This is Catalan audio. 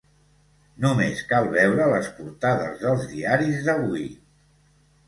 Només cal veure les portades dels diaris d’avui.